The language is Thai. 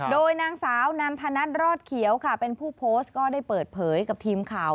โดยนางสาวนันทนัทรอดเขียวค่ะเป็นผู้โพสต์ก็ได้เปิดเผยกับทีมข่าว